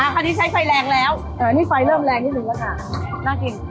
อ่าพอที่ใช้ไฟแลงแล้วเอ๋อนี่ไฟเริ่มแรงนิดหนึ่งแล้วค่ะน่ากิน